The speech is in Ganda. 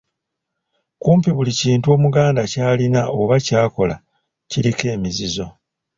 Kumpi buli kintu omuganda ky'alina oba ky'akola kiriko emizizo.